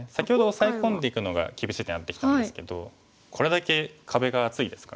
オサエ込んでいくのが厳しい手になってきたんですけどこれだけ壁が厚いですからね。